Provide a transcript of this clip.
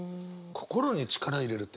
心に力入れるって。